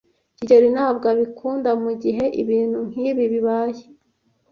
kigeli ntabwo abikunda mugihe ibintu nkibi bibaye.